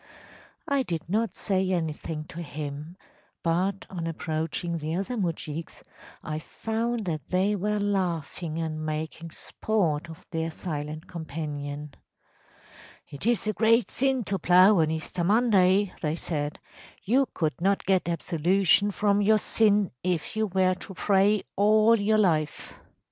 I did not say anything to him, but, on approaching the other moujiks, I found that they were laughing and making sport of their silent companion. ‚ÄėIt is a great sin to plough on Easter Monday,’ they said. ‚ÄėYou could not get absolution from your sin if you were to pray all your life.